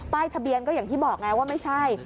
ทะเบียนก็อย่างที่บอกไงว่าไม่ใช่